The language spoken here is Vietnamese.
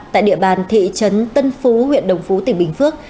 tại địa bàn thị trấn tân phú huyện đồng phú tỉnh bình phước